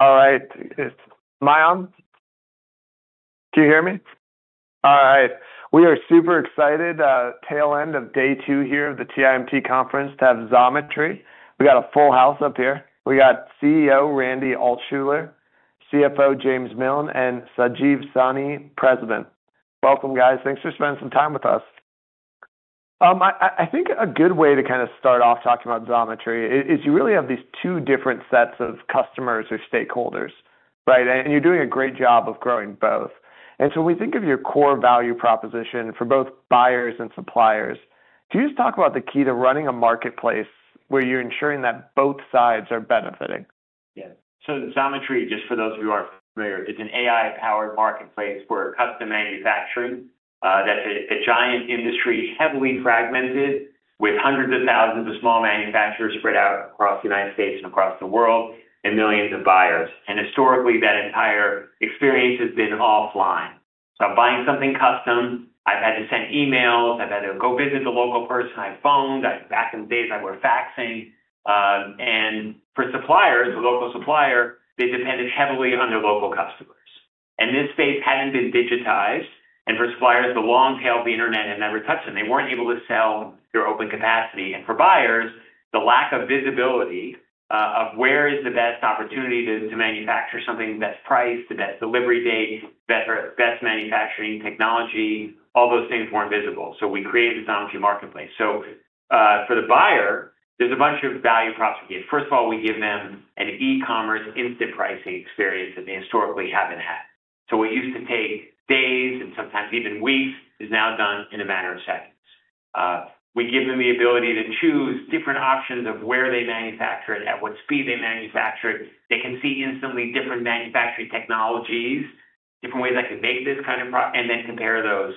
All right. Am I on? Do you hear me? All right. We are super excited, tail end of day two here of the TIMT Conference to have Xometry. We got a full house up here. We got CEO Randy Altschuler, CFO James Miln, and Sanjeev Sahni, President. Welcome, guys. Thanks for spending some time with us. I think a good way to kinda start off talking about Xometry is you really have these two different sets of customers or stakeholders, right? And you're doing a great job of growing both. When we think of your core value proposition for both buyers and suppliers, can you just talk about the key to running a marketplace where you're ensuring that both sides are benefiting? Yeah. Xometry, just for those of you who aren't familiar, is an AI-powered marketplace for custom manufacturing. That's a giant industry, heavily fragmented, with hundreds of thousands of small manufacturers spread out across the United States and across the world, and millions of buyers. Historically, that entire experience has been offline. I'm buying something custom. I've had to send emails. I've had to go visit the local person. I've phoned. Back in the days, I were faxing. For suppliers, the local supplier, they depended heavily on their local customers. This space hadn't been digitized. For suppliers, the long tail of the internet had never touched them. They weren't able to sell through open capacity. For buyers, the lack of visibility of where is the best opportunity to manufacture something, the best price, the best delivery date, better best manufacturing technology, all those things were not visible. We created the Xometry marketplace. For the buyer, there is a bunch of value proposition. First of all, we give them an e-commerce instant pricing experience that they historically have not had. What used to take days and sometimes even weeks is now done in a matter of seconds. We give them the ability to choose different options of where they manufacture it, at what speed they manufacture it. They can see instantly different manufacturing technologies, different ways I can make this kind of pro, and then compare those.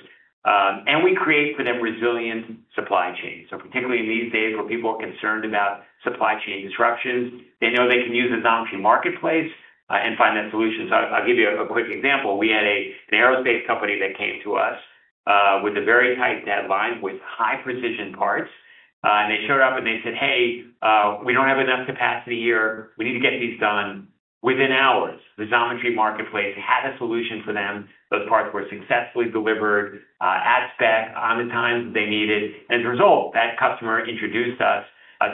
We create for them resilient supply chains. Particularly in these days where people are concerned about supply chain disruptions, they know they can use the Xometry marketplace and find that solution. I'll give you a quick example. We had an aerospace company that came to us with a very tight deadline, with high-precision parts. They showed up and they said, "Hey, we don't have enough capacity here. We need to get these done within hours." The Xometry marketplace had a solution for them. Those parts were successfully delivered, at spec, on the times they needed. As a result, that customer introduced us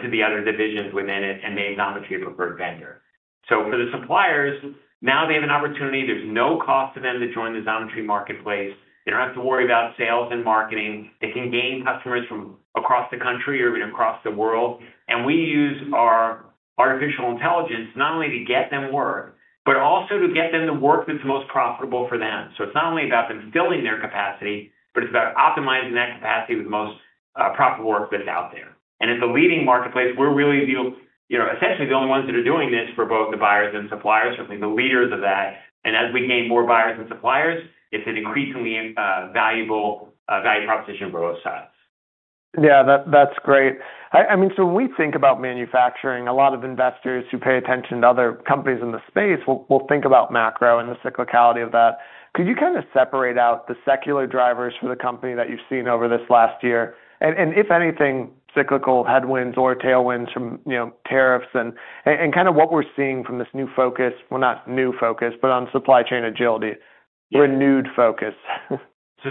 to the other divisions within it and made Xometry a preferred vendor. For the suppliers, now they have an opportunity. There's no cost to them to join the Xometry marketplace. They don't have to worry about sales and marketing. They can gain customers from across the country or even across the world. We use our artificial intelligence not only to get them work, but also to get them the work that's most profitable for them. It's not only about them filling their capacity, but it's about optimizing that capacity with the most profitable work that's out there. At the leading marketplace, we're really the, you know, essentially the only ones that are doing this for both the buyers and suppliers, certainly the leaders of that. As we gain more buyers and suppliers, it's an increasingly valuable value proposition for both sides. Yeah. That's great. I mean, so when we think about manufacturing, a lot of investors who pay attention to other companies in the space will think about macro and the cyclicality of that. Could you kinda separate out the secular drivers for the company that you've seen over this last year? And if anything, cyclical headwinds or tailwinds from, you know, tariffs and kinda what we're seeing from this new focus, not new focus, but on supply chain agility, renewed focus.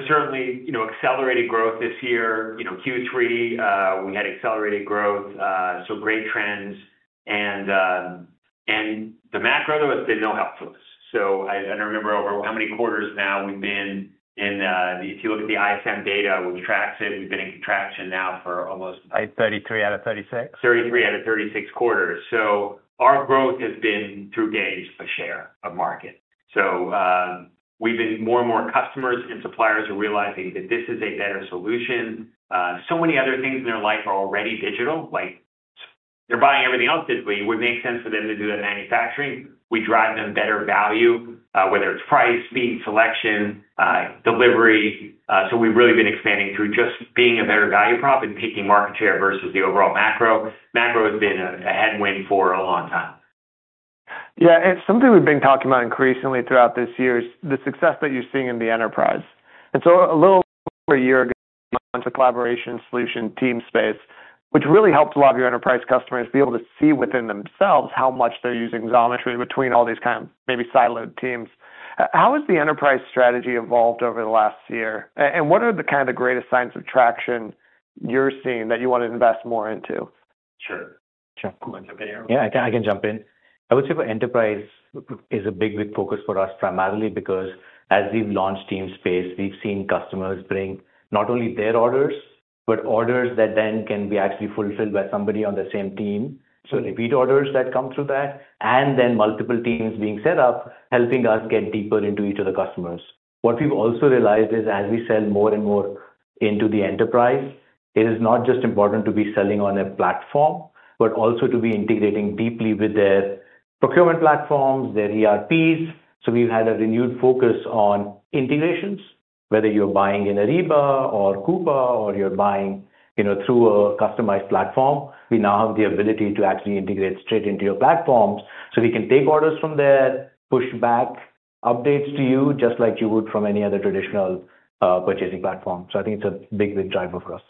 Certainly, you know, accelerated growth this year, you know, Q3, we had accelerated growth, so great trends. And the macro, though, has been no help to us. I don't remember over how many quarters now we've been in, if you look at the ISM data, which tracks it, we've been in contraction now for almost. Like 33 out of 36? 33 out of 36 quarters. Our growth has been through gains per share of market. More and more customers and suppliers are realizing that this is a better solution. So many other things in their life are already digital. Like, they're buying everything else digitally. It would make sense for them to do that in manufacturing. We drive them better value, whether it's price, speed, selection, delivery. We've really been expanding through just being a better value prop and taking market share versus the overall macro. Macro has been a headwind for a long time. Yeah. Something we've been talking about increasingly throughout this year is the success that you're seeing in the enterprise. A little over a year ago, a bunch of collaboration solution Teamspace, which really helped a lot of your enterprise customers be able to see within themselves how much they're using Xometry between all these kind of maybe siloed teams. How has the enterprise strategy evolved over the last year? What are the kind of the greatest signs of traction you're seeing that you wanna invest more into? Sure. Sure. Yeah. I can jump in. I would say for enterprise, it's a big, big focus for us primarily because as we've launched Teamspace, we've seen customers bring not only their orders, but orders that then can be actually fulfilled by somebody on the same team. So repeat orders that come through that, and then multiple teams being set up, helping us get deeper into each of the customers. What we've also realized is as we sell more and more into the enterprise, it is not just important to be selling on a platform, but also to be integrating deeply with their procurement platforms, their ERPs. We've had a renewed focus on integrations, whether you're buying in Ariba or Coupa, or you're buying, you know, through a customized platform. We now have the ability to actually integrate straight into your platforms. We can take orders from there, push back updates to you just like you would from any other traditional purchasing platform. I think it's a big, big driver for us.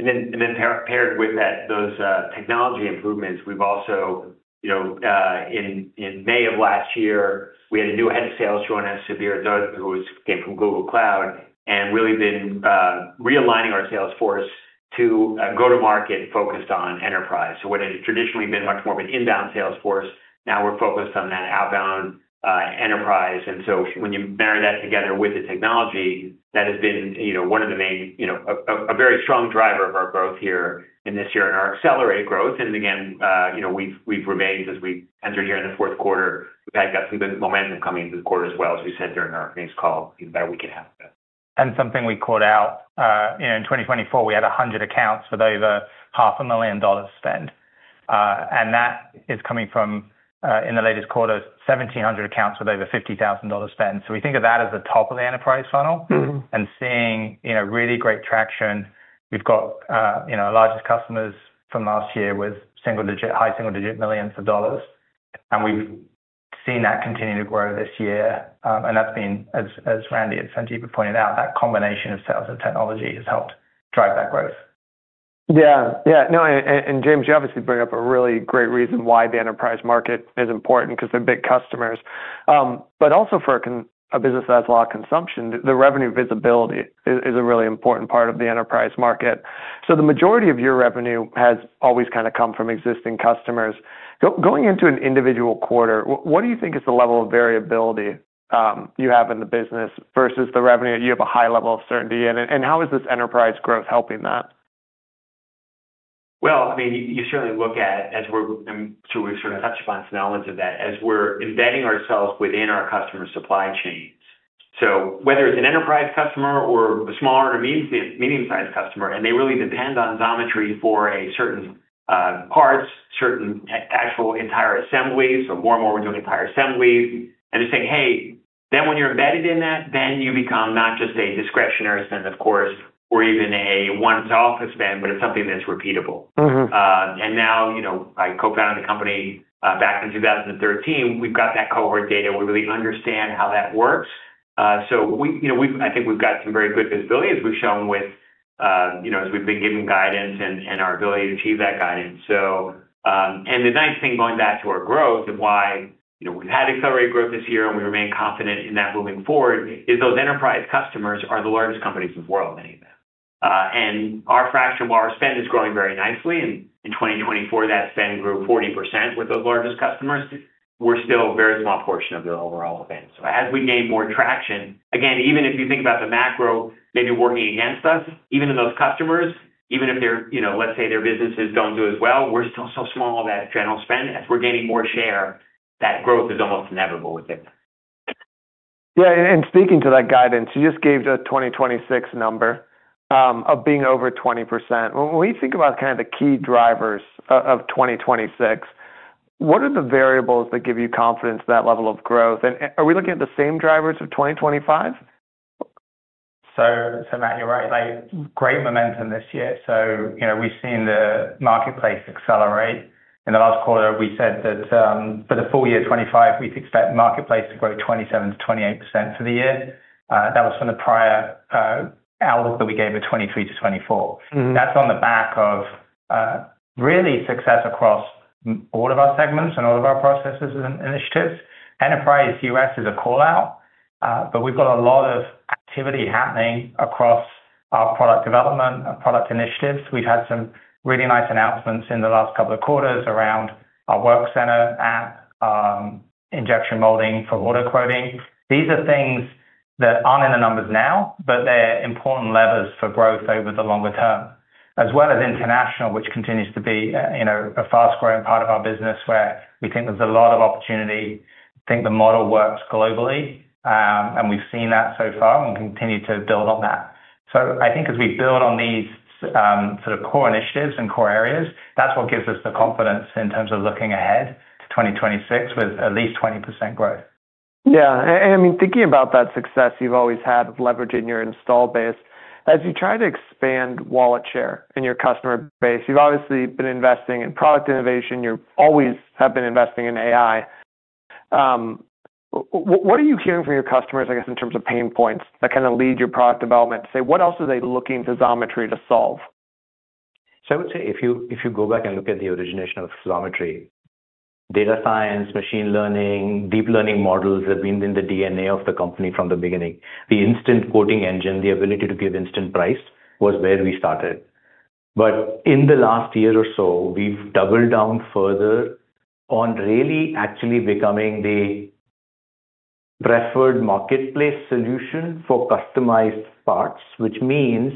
Paired with that, those technology improvements, we've also, you know, in May of last year, we had a new head of sales join us, Steve Dutton, who came from Google Cloud, and really been realigning our sales force to go-to-market focused on enterprise. What had traditionally been much more of an inbound sales force, now we're focused on that outbound, enterprise. When you marry that together with the technology, that has been, you know, one of the main, you know, a very strong driver of our growth here in this year and our accelerated growth. Again, you know, we've remained as we entered here in the fourth quarter. We've got some good momentum coming into the quarter as well, as we said during our earnings call, the better we can have it. Something we caught out, you know, in 2024, we had 100 accounts with over $500,000 spent. That is coming from, in the latest quarter, 1,700 accounts with over $50,000 spent. We think of that as the top of the enterprise funnel. Mm-hmm. Seeing, you know, really great traction. We've got, you know, our largest customers from last year with high single-digit millions of dollars. We've seen that continue to grow this year. That has been, as Randy and Sanjeev have pointed out, that combination of sales and technology has helped drive that growth. Yeah. Yeah. No. And, James, you obviously bring up a really great reason why the enterprise market is important because they're big customers. Also, for a business that has a lot of consumption, the revenue visibility is a really important part of the enterprise market. The majority of your revenue has always kind of come from existing customers. Going into an individual quarter, what do you think is the level of variability you have in the business versus the revenue that you have a high level of certainty in? And how is this enterprise growth helping that? I mean, you certainly look at, as we're and so we've sort of touched upon some elements of that, as we're embedding ourselves within our customer supply chains. Whether it's an enterprise customer or a small or a medium-sized customer, and they really depend on Xometry for a certain, parts, certain a-actual entire assemblies. More and more we're doing entire assemblies. They're saying, "Hey." When you're embedded in that, then you become not just a discretionary spend, of course, or even a one-off spend, but it's something that's repeatable. Mm-hmm. And now, you know, I co-founded the company back in 2013. We've got that cohort data. We really understand how that works. So we, you know, we've, I think we've got some very good visibility as we've shown with, you know, as we've been given guidance and our ability to achieve that guidance. The nice thing going back to our growth and why, you know, we've had accelerated growth this year and we remain confident in that moving forward is those enterprise customers are the largest companies in the world, many of them. And our fraction of our spend is growing very nicely. In 2024, that spend grew 40% with those largest customers. We're still a very small portion of the overall spend. As we gain more traction, again, even if you think about the macro maybe working against us, even in those customers, even if they're, you know, let's say their businesses don't do as well, we're still so small that general spend, as we're gaining more share, that growth is almost inevitable within that. Yeah. And speaking to that guidance, you just gave the 2026 number, of being over 20%. When we think about kinda the key drivers of 2026, what are the variables that give you confidence that level of growth? And are we looking at the same drivers of 2025? Matt, you're right. Like, great momentum this year. You know, we've seen the marketplace accelerate. In the last quarter, we said that, for the full year 2025, we'd expect marketplace to grow 27-28% for the year. That was from the prior outlook that we gave at 2023 to 2024. Mm-hmm. That's on the back of, really, success across all of our segments and all of our processes and initiatives. Enterprise U.S. is a callout, but we've got a lot of activity happening across our product development, our product initiatives. We've had some really nice announcements in the last couple of quarters around our Work Center app, injection molding for water quoting. These are things that aren't in the numbers now, but they're important levers for growth over the longer term, as well as international, which continues to be, you know, a fast-growing part of our business where we think there's a lot of opportunity. I think the model works globally, and we've seen that so far and continue to build on that. I think as we build on these, sort of core initiatives and core areas, that's what gives us the confidence in terms of looking ahead to 2026 with at least 20% growth. Yeah. I mean, thinking about that success you've always had with leveraging your install base, as you try to expand wallet share in your customer base, you've obviously been investing in product innovation. You always have been investing in AI. What are you hearing from your customers, I guess, in terms of pain points that kinda lead your product development to say, "What else are they looking for Xometry to solve? I would say if you go back and look at the origination of Xometry, data science, machine learning, deep learning models have been in the DNA of the company from the beginning. The Instant Quoting Engine, the ability to give instant price was where we started. In the last year or so, we've doubled down further on really actually becoming the preferred marketplace solution for customized parts, which means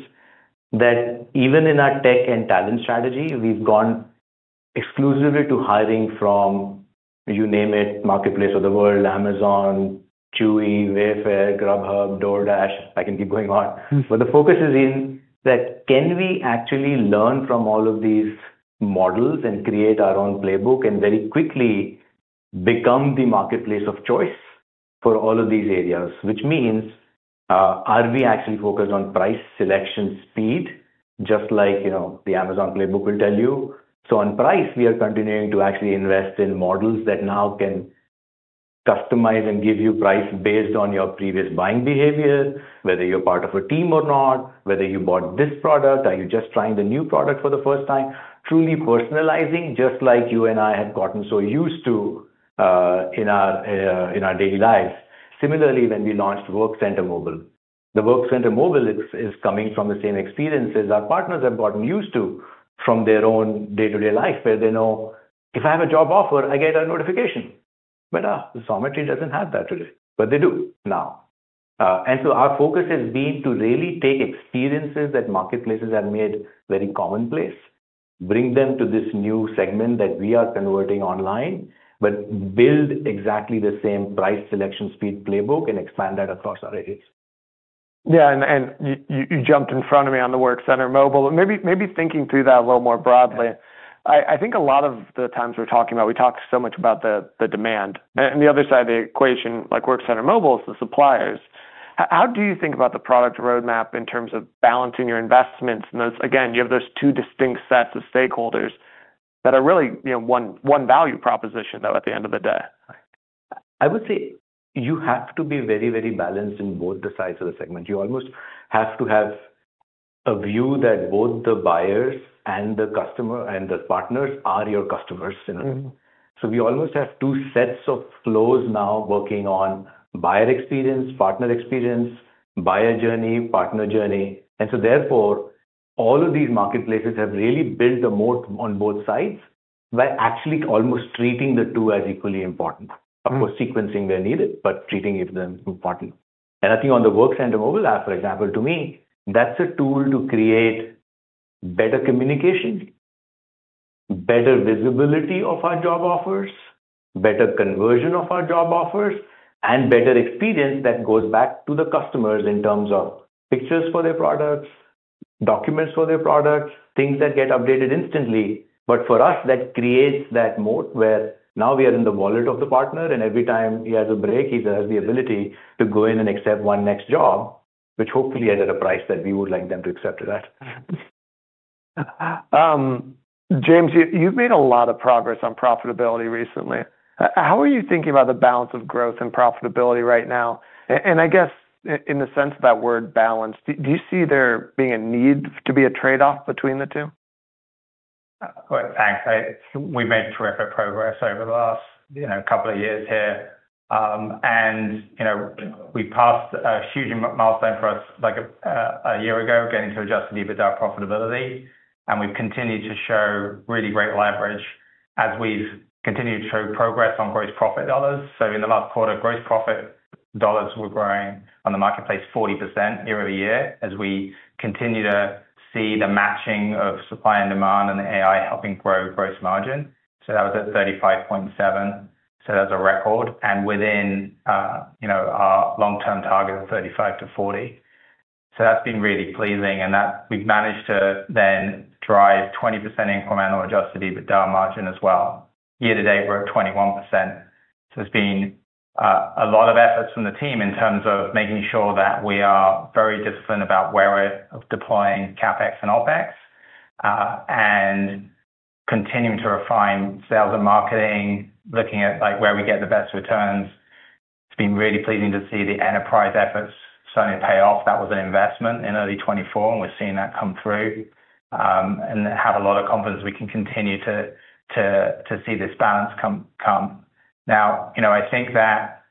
that even in our tech and talent strategy, we've gone exclusively to hiring from, you name it, marketplace of the world, Amazon, Chewy, Wayfair, Grubhub, DoorDash. I can keep going on. Mm-hmm. The focus is in that can we actually learn from all of these models and create our own playbook and very quickly become the marketplace of choice for all of these areas, which means, are we actually focused on price selection speed, just like, you know, the Amazon playbook will tell you? On price, we are continuing to actually invest in models that now can customize and give you price based on your previous buying behavior, whether you're part of a team or not, whether you bought this product, are you just trying the new product for the first time, truly personalizing just like you and I have gotten so used to, in our, in our daily lives. Similarly, when we launched Work Center Mobile, the Work Center Mobile is coming from the same experiences our partners have gotten used to from their own day-to-day life where they know, "If I have a job offer, I get a notification." Xometry does not have that today, but they do now. Our focus has been to really take experiences that marketplaces have made very commonplace, bring them to this new segment that we are converting online, but build exactly the same price selection speed playbook and expand that across our areas. Yeah. You jumped in front of me on the Work Center Mobile. Maybe thinking through that a little more broadly, I think a lot of the times we're talking about, we talk so much about the demand. On the other side of the equation, like WorkCenter Mobile is the suppliers. How do you think about the product roadmap in terms of balancing your investments? Those, again, you have those two distinct sets of stakeholders that are really, you know, one value proposition, though, at the end of the day. I would say you have to be very, very balanced in both the sides of the segment. You almost have to have a view that both the buyers and the customer and the partners are your customers, you know? Mm-hmm. We almost have two sets of flows now working on buyer experience, partner experience, buyer journey, partner journey. Therefore, all of these marketplaces have really built a moat on both sides by actually almost treating the two as equally important, of course, sequencing where needed, but treating each of them important. I think on the WorkCenter Mobile app, for example, to me, that's a tool to create better communication, better visibility of our job offers, better conversion of our job offers, and better experience that goes back to the customers in terms of pictures for their products, documents for their products, things that get updated instantly. For us, that creates that moat where now we are in the wallet of the partner, and every time he has a break, he has the ability to go in and accept one next job, which hopefully is at a price that we would like them to accept at that. James, you've made a lot of progress on profitability recently. How are you thinking about the balance of growth and profitability right now? I guess in the sense of that word balance, do you see there being a need to be a trade-off between the two? All right. Thanks. I we've made terrific progress over the last, you know, couple of years here. And, you know, we passed a huge milestone for us, like, a year ago, getting to adjusted EBITDA profitability. And we've continued to show really great leverage as we've continued to show progress on gross profit dollars. In the last quarter, gross profit dollars were growing on the marketplace 40% year over year as we continue to see the matching of supply and demand and the AI helping grow gross margin. That was at 35.7%. That's a record and within, you know, our long-term target of 35%-40%. That's been really pleasing. And that we've managed to then drive 20% incremental adjusted EBITDA margin as well. Year to date, we're at 21%. There's been a lot of efforts from the team in terms of making sure that we are very disciplined about where we're deploying CapEx and OpEx, and continuing to refine sales and marketing, looking at, like, where we get the best returns. It's been really pleasing to see the enterprise efforts starting to pay off. That was an investment in early 2024, and we're seeing that come through, and have a lot of confidence we can continue to see this balance come. Now, you know, I think that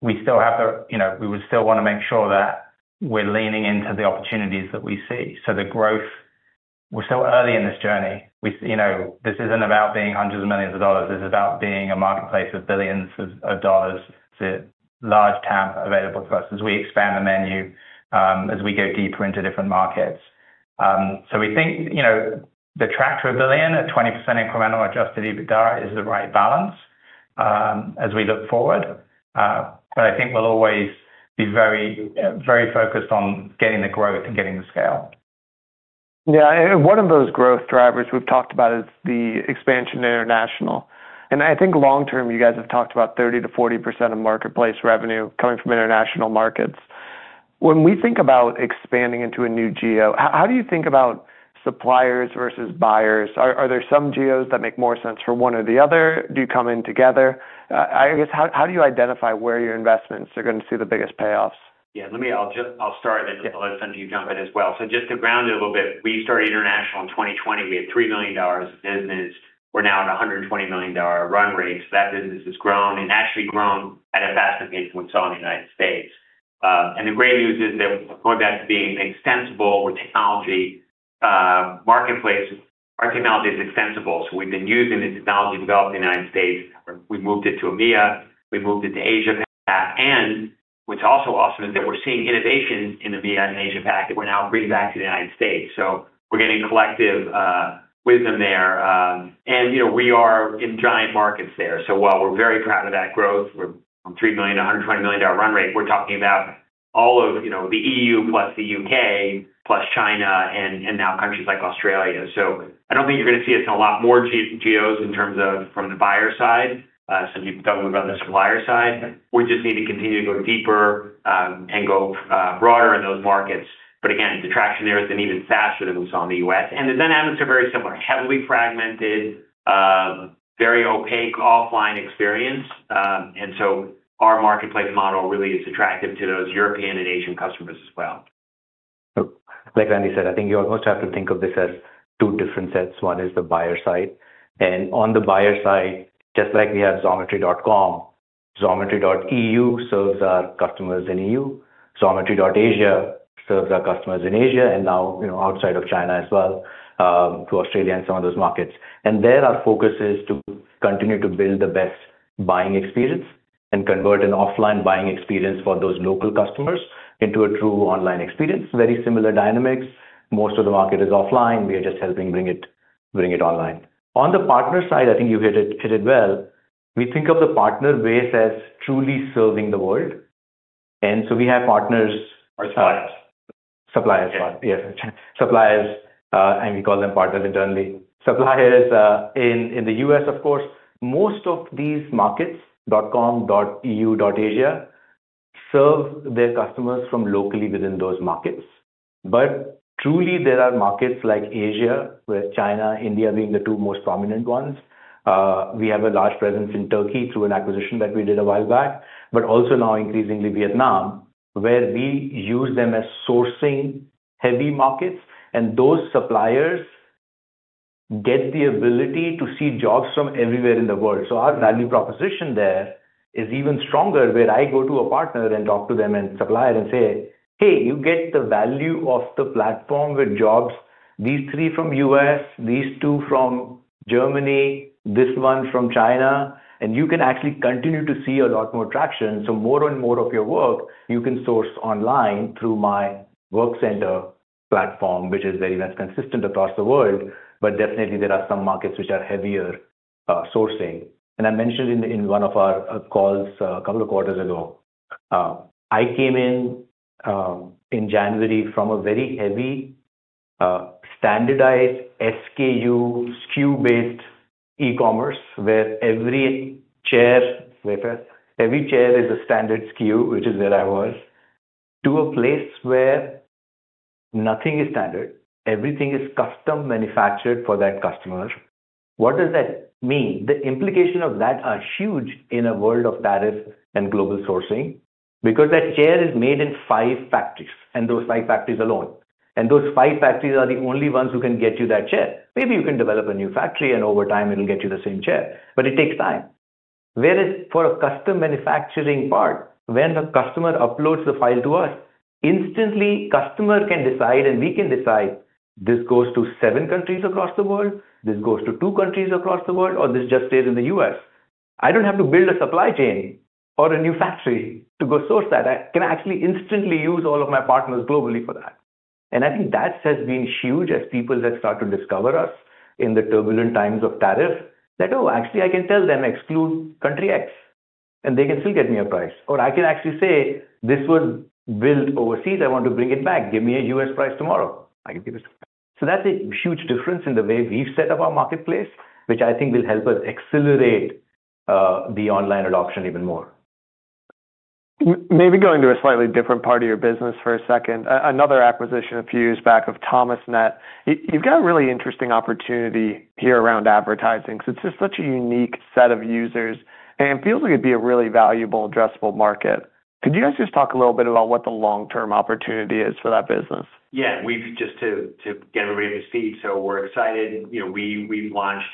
we still have to, you know, we would still wanna make sure that we're leaning into the opportunities that we see. The growth, we're so early in this journey. We, you know, this isn't about being hundreds of millions of dollars. This is about being a marketplace of billions of dollars, a large tab available to us as we expand the menu, as we go deeper into different markets. We think, you know, the track for a billion at 20% incremental adjusted EBITDA is the right balance, as we look forward. I think we'll always be very, very focused on getting the growth and getting the scale. Yeah. One of those growth drivers we've talked about is the expansion to international. I think long-term, you guys have talked about 30-40% of marketplace revenue coming from international markets. When we think about expanding into a new geo, how do you think about suppliers versus buyers? Are there some geos that make more sense for one or the other? Do you come in together? I guess, how do you identify where your investments are gonna see the biggest payoffs? Yeah. Let me, I'll just, I'll start and then I'll let Sanjeev jump in as well. Just to ground you a little bit, we started international in 2020. We had $3 million of business. We're now at a $120 million run rate. That business has grown and actually grown at a faster pace than we saw in the United States. The great news is that going back to being extensible with technology, marketplace, our technology is extensible. We've been using the technology developed in the United States. We've moved it to EMEA. We've moved it to Asia PAC. What's also awesome is that we're seeing innovations in EMEA and Asia PAC that we're now bringing back to the United States. We're getting collective wisdom there. You know, we are in giant markets there. While we're very proud of that growth, we're from $3 million to $120 million run rate, we're talking about all of, you know, the EU plus the U.K. plus China and now countries like Australia. I don't think you're gonna see us in a lot more geos in terms of from the buyer side. Some people talking about the supplier side. We just need to continue to go deeper, and go broader in those markets. Again, the traction there has been even faster than we saw in the U.S. The dynamics are very similar, heavily fragmented, very opaque offline experience, and so our marketplace model really is attractive to those European and Asian customers as well. Like Randy said, I think you almost have to think of this as two different sets. One is the buyer side. On the buyer side, just like we have xometry.com, xometry.eu serves our customers in the EU. Xometry.asia serves our customers in Asia and now, you know, outside of China as well, to Australia and some of those markets. There our focus is to continue to build the best buying experience and convert an offline buying experience for those local customers into a true online experience. Very similar dynamics. Most of the market is offline. We are just helping bring it online. On the partner side, I think you hit it well. We think of the partner base as truly serving the world. We have partners. Or suppliers. Suppliers. Yeah. Suppliers, and we call them partners internally. Suppliers, in the U.S., of course, most of these markets, .com, .eu, .asia, serve their customers from locally within those markets. There are markets like Asia, where China, India being the two most prominent ones. We have a large presence in Turkey through an acquisition that we did a while back, but also now increasingly Vietnam, where we use them as sourcing heavy markets. Those suppliers get the ability to see jobs from everywhere in the world. Our value proposition there is even stronger, where I go to a partner and talk to them and supplier and say, "Hey, you get the value of the platform with jobs, these three from U.S., these two from Germany, this one from China, and you can actually continue to see a lot more traction. More and more of your work, you can source online through my WorkCenter platform, which is very much consistent across the world. Definitely, there are some markets which are heavier, sourcing. I mentioned in one of our calls, a couple of quarters ago, I came in, in January from a very heavy, standardized SKU, SKU-based e-commerce, where every chair, every chair is a standard SKU, which is where I was, to a place where nothing is standard. Everything is custom manufactured for that customer. What does that mean? The implication of that are huge in a world of tariffs and global sourcing because that chair is made in five factories, and those five factories alone. Those five factories are the only ones who can get you that chair. Maybe you can develop a new factory, and over time, it'll get you the same chair, but it takes time. Whereas for a custom manufacturing part, when the customer uploads the file to us, instantly, customer can decide, and we can decide, "This goes to seven countries across the world. This goes to two countries across the world, or this just stays in the U.S." I don't have to build a supply chain or a new factory to go source that. I can actually instantly use all of my partners globally for that. I think that has been huge as people that start to discover us in the turbulent times of tariff, that, "Oh, actually, I can tell them exclude country X, and they can still get me a price." I can actually say, "This was built overseas. I want to bring it back. Give me a U.S. price tomorrow. I can give it to them." That is a huge difference in the way we've set up our marketplace, which I think will help us accelerate the online adoption even more. Maybe going to a slightly different part of your business for a second, another acquisition a few years back of ThomasNet. You have got a really interesting opportunity here around advertising. It is just such a unique set of users, and it feels like it would be a really valuable, addressable market. Could you guys just talk a little bit about what the long-term opportunity is for that business? Yeah. Just to get everybody up to speed. We're excited. You know, we've launched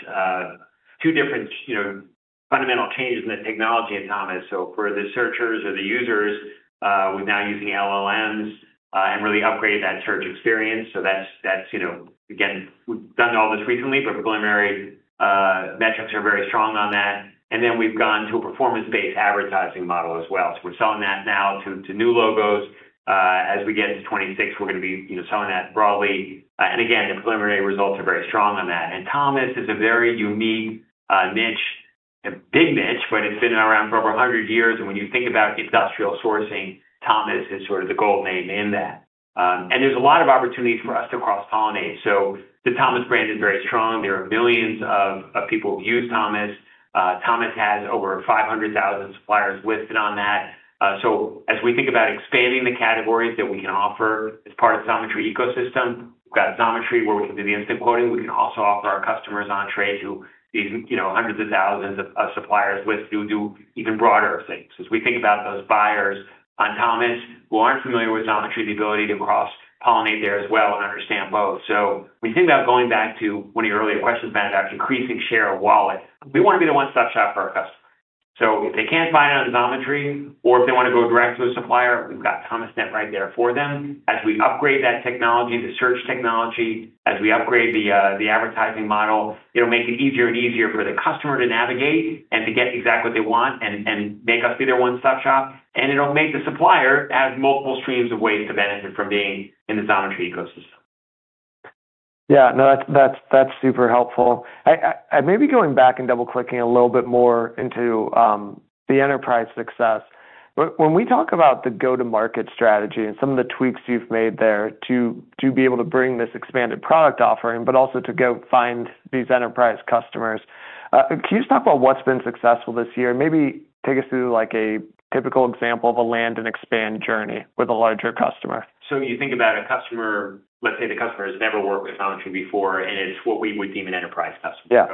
two different, you know, fundamental changes in the technology at Thomas. For the searchers or the users, we're now using LLMs, and really upgraded that search experience. That's, you know, again, we've done all this recently, but preliminary metrics are very strong on that. Then we've gone to a performance-based advertising model as well. We're selling that now to new logos. As we get to 2026, we're gonna be, you know, selling that broadly. Again, the preliminary results are very strong on that. Thomas is a very unique niche, a big niche, but it's been around for over 100 years. When you think about industrial sourcing, Thomas is sort of the gold name in that. There is a lot of opportunities for us to cross-pollinate. The Thomas brand is very strong. There are millions of people who use Thomas. Thomas has over 500,000 suppliers listed on that. As we think about expanding the categories that we can offer as part of the Xometry ecosystem, we have Xometry where we can do the instant quoting. We can also offer our customers, you know, access to these hundreds of thousands of suppliers listed who do even broader things. As we think about those buyers on Thomas who are not familiar with Xometry, the ability to cross-pollinate there as well and understand both. When you think about going back to one of your earlier questions about increasing share of wallet, we want to be the one-stop shop for our customer. If they can't find it on Xometry, or if they wanna go direct to a supplier, we've got ThomasNet right there for them. As we upgrade that technology, the search technology, as we upgrade the advertising model, it'll make it easier and easier for the customer to navigate and to get exactly what they want and make us be their one-stop shop. It'll make the supplier have multiple streams of ways to benefit from being in the Xometry ecosystem. Yeah. No, that's super helpful. I may be going back and double-clicking a little bit more into the enterprise success. When we talk about the go-to-market strategy and some of the tweaks you've made there to be able to bring this expanded product offering, but also to go find these enterprise customers, can you just talk about what's been successful this year? Maybe take us through, like, a typical example of a land and expand journey with a larger customer. You think about a customer, let's say the customer has never worked with Xometry before, and it's what we would deem an enterprise customer. Yeah.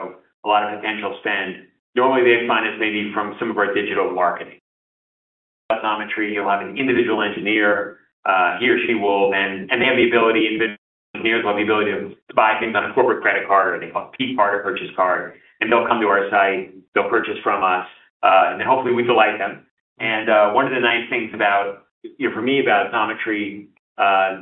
A lot of potential spend, normally they find it's maybe from some of our digital marketing. At Xometry, you'll have an individual engineer. He or she will then, and they have the ability, individual engineers will have the ability to buy things on a corporate credit card or they call it P-card or purchase card. They'll come to our site. They'll purchase from us. Hopefully we delight them. One of the nice things about, you know, for me about Xometry,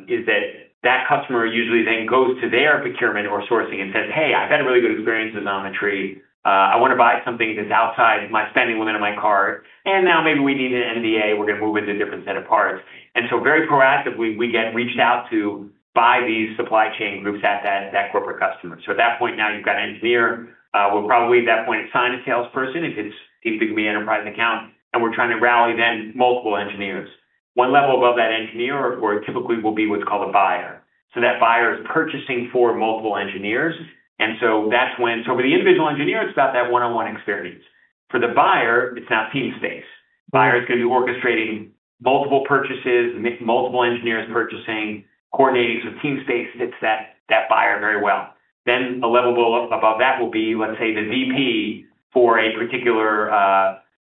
is that that customer usually then goes to their procurement or sourcing and says, "Hey, I've had a really good experience with Xometry. I wanna buy something that's outside my spending limit of my card. Now maybe we need an NDA. We're gonna move into a different set of parts. And so very proactively, we get reached out to by these supply chain groups at that corporate customer. At that point now, you've got an engineer. We'll probably at that point sign a salesperson if it's deemed to be an enterprise account. We're trying to rally then multiple engineers. One level above that engineer typically will be what's called a buyer. That buyer is purchasing for multiple engineers. For the individual engineer, it's about that one-on-one experience. For the buyer, it's now Teamspace. Buyer's gonna be orchestrating multiple purchases, multiple engineers purchasing, coordinating, so Teamspace fits that buyer very well. A level above that will be, let's say, the VP for a particular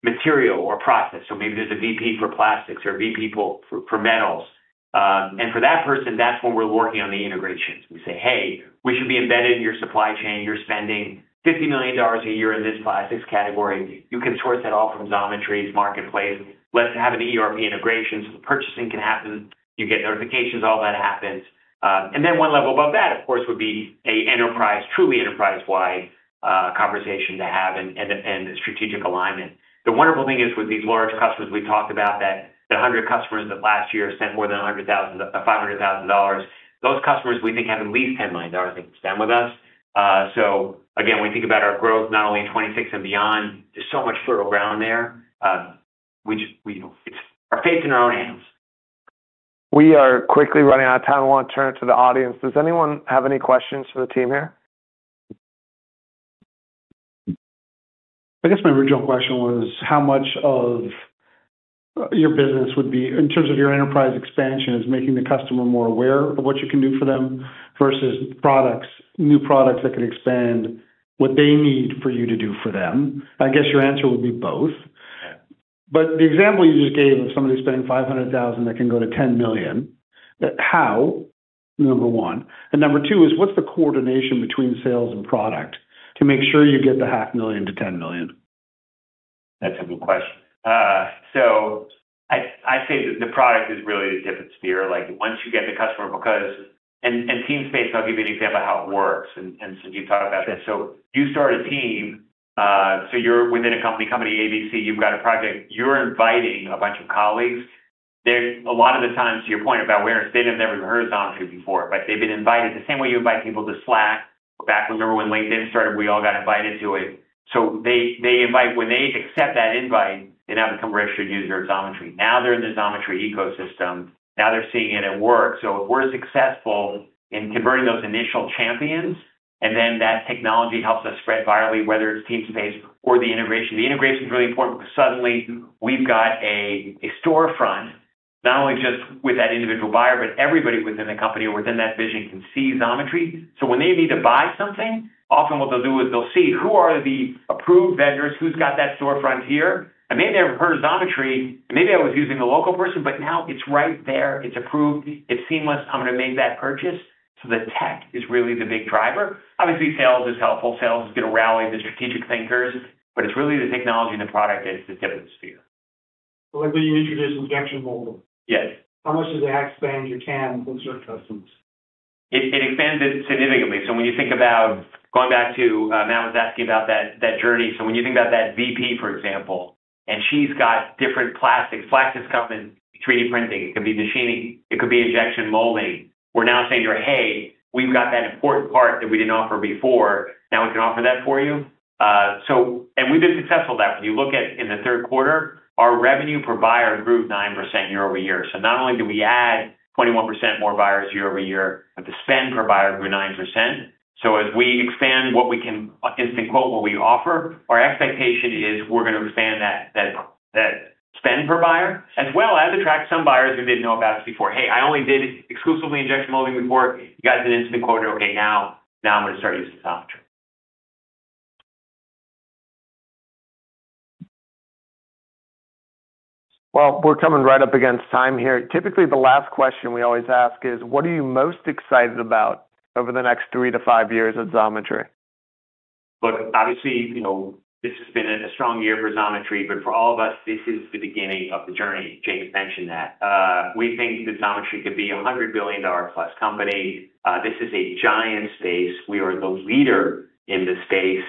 material or process. Maybe there's a VP for plastics or VP for metals. For that person, that's when we're working on the integrations. We say, "Hey, we should be embedded in your supply chain. You're spending $50 million a year in this plastics category. You can source that all from Xometry's marketplace. Let's have an ERP integration so the purchasing can happen. You get notifications. All that happens." One level above that, of course, would be a truly enterprise-wide conversation to have and strategic alignment. The wonderful thing is with these large customers we talked about, the 100 customers that last year sent more than $100,000, $500,000, those customers we think have at least $10 million they can spend with us. Again, we think about our growth not only in 2026 and beyond. There's so much fertile ground there. we just it's our faith in our own hands. We are quickly running out of time. I wanna turn it to the audience. Does anyone have any questions for the team here? I guess my original question was how much of your business would be in terms of your enterprise expansion is making the customer more aware of what you can do for them versus products, new products that could expand what they need for you to do for them. I guess your answer would be both. The example you just gave of somebody spending $500,000 that can go to $10 million, how, number one. Number two is what's the coordination between sales and product to make sure you get the $500,000 to $10 million? That's a good question. I'd say that the product is really the tip of the spear. Like, once you get the customer because, and Teamspace, I'll give you an example of how it works. You talk about that. You start a team. You're within a company, Company A, B, C. You've got a project. You're inviting a bunch of colleagues. They're, a lot of the time, to your point about where they've never heard Xometry before, but they've been invited the same way you invite people to Slack. Back when LinkedIn started, we all got invited to it. They invite, when they accept that invite, they now become registered users of Xometry. Now they're in the Xometry ecosystem. Now they're seeing it at work. If we're successful in converting those initial champions, and then that technology helps us spread virally, whether it's Teamspace or the integration. The integration's really important because suddenly we've got a storefront, not only just with that individual buyer, but everybody within the company or within that division can see Xometry. When they need to buy something, often what they'll do is they'll see who are the approved vendors, who's got that storefront here. Maybe they haven't heard of Xometry. Maybe I was using the local person, but now it's right there. It's approved. It's seamless. I'm gonna make that purchase. The tech is really the big driver. Obviously, sales is helpful. Sales is gonna rally the strategic thinkers, but it's really the technology and the product that's the tip of the spear. Like when you introduce injection molding. Yes. How much does that expand your can with certain customers? It expanded significantly. When you think about going back to what Matt was asking about, that journey, when you think about that VP, for example, and she's got different plastics, plastics come in 3D printing. It could be machining. It could be injection molding. We're now saying to her, "Hey, we've got that important part that we didn't offer before. Now we can offer that for you." We have been successful with that. When you look at in the third quarter, our revenue per buyer grew 9% year over year. Not only did we add 21% more buyers year over year, but the spend per buyer grew 9%. As we expand what we can instant quote, what we offer, our expectation is we're going to expand that spend per buyer as well as attract some buyers who did not know about us before. Hey, I only did exclusively injection molding before. You guys did instant quoting. Okay. Now now I'm gonna start using Xometry. We're coming right up against time here. Typically, the last question we always ask is, what are you most excited about over the next three to five years at Xometry? Look, obviously, you know, this has been a strong year for Xometry, but for all of us, this is the beginning of the journey. James mentioned that. We think that Xometry could be a $100 billion-plus company. This is a giant space. We are the leader in the space.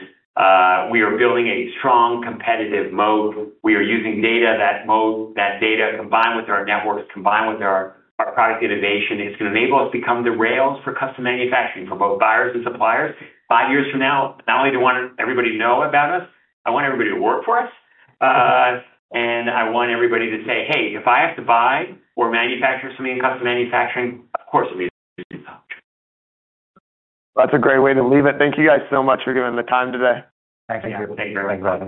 We are building a strong competitive moat. We are using data. That moat, that data combined with our networks, combined with our product innovation, it's gonna enable us to become the rails for custom manufacturing for both buyers and suppliers. Five years from now, not only do I want everybody to know about us, I want everybody to work for us. And I want everybody to say, "Hey, if I have to buy or manufacture something in custom manufacturing, of course I'm using Xometry. That's a great way to leave it. Thank you guys so much for giving the time today. Thank you. Thank you. Thanks so much.